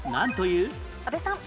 阿部さん。